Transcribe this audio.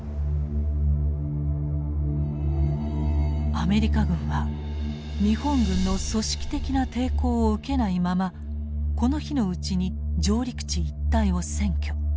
アメリカ軍は日本軍の組織的な抵抗を受けないままこの日のうちに上陸地一帯を占拠。